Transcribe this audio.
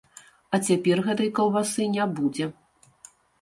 А цяпер гэтай каўбасы не будзе.